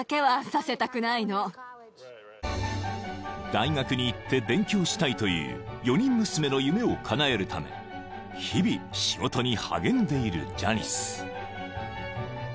［大学に行って勉強したいという４人娘の夢をかなえるため日々仕事に励んでいるジャニス］